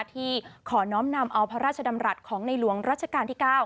ที่ขอน้อมนำเอาพระราชดำรัฐของในหลวงรัชกาลที่๙